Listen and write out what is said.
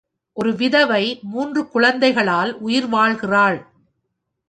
ஒரு விதவை, மூன்று குழந்தைகளால் உயிர்வாழ்கிறார்.